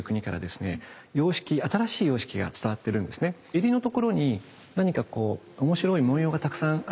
襟のところに何かこう面白い文様がたくさんありますよね？